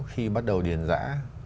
khi bắt đầu điền giã